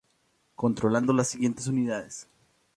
Controlando las siguientes unidades